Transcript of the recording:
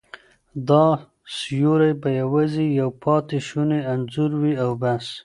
دا سیوری به یوازې یو پاتې شونی انځور وي او بس.